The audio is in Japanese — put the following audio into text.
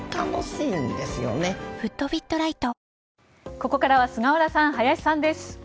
ここからは菅原さん、林さんです。